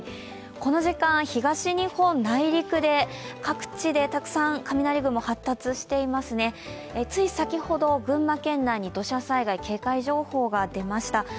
この時間、東日本内陸で各地でたくさん雷雲発達していますねつい先ほど、群馬県内に土砂災害警戒情報が出ました。